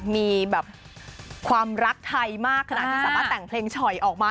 มีแบบความรักไทยมากขนาดที่สามารถแต่งเพลงฉ่อยออกมา